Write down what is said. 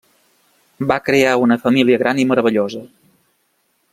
Va crear una família gran i meravellosa.